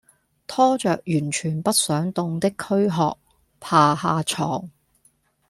拖著完全不想動的驅殼爬下床